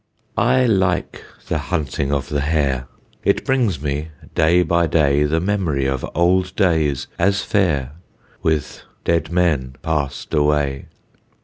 I like the hunting of the hare; It brings me day by day, The memory of old days as fair, With dead men past away.